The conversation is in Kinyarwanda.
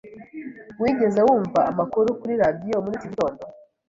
Wigeze wumva amakuru kuri radio muri iki gitondo?